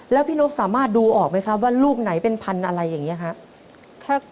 แล้วพี่นกสามารถดูออกไหมครับว่ารูปไหนเป็นพันธุ์อะไรอย่างนี้ครับ